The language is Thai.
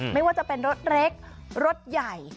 ไม่ว่าจะเป็นรถเล็กรถใหญ่